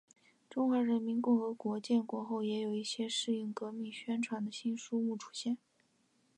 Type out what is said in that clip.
中华人民共和国建国后也有一些适应革命宣传的新书目出现。